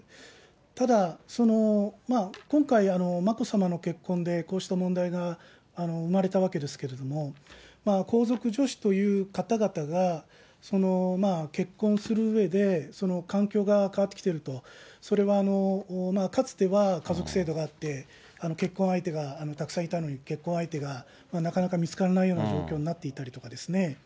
ただ、今回、眞子さまの結婚で、こうした問題が生まれたわけですけれども、皇族女子という方々が結婚するうえで、環境が変わってきていると、それは、かつては華族制度があって、結婚相手がたくさんいたのに、結婚相手がなかなか見つからないような状況になっていたりとかですね。